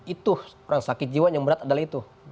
itu orang sakit jiwa yang berat adalah itu